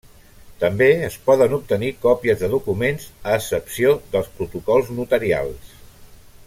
També es poden obtenir còpies de documents, a excepció dels Protocols Notarials.